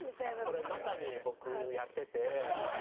それまさに僕やってて。